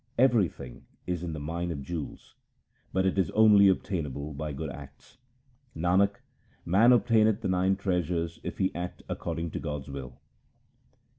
Everything is in the Mine of jewels, but it is only ob tainable by good acts. Nanak, man obtaineth the nine treasures if he act accord ing to God's will.